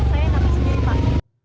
saya yang nangkep sendiri pak